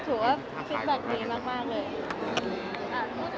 ก็ถือว่าคิดแบบดีมากเลย